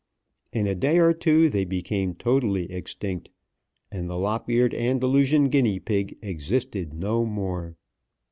In a day or two they became totally extinct, and the lop eared Andalusian guinea pig existed no more.